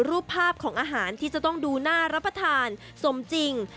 รูปภาพของอาหารที่จะต้องดูน่ารับประทานสมจริง